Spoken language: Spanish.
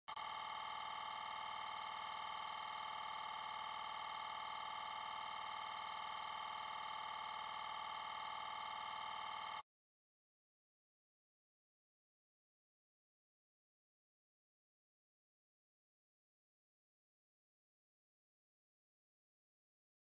Es considerado uno de los mejores jugadores turcos de baloncesto de todos los tiempos.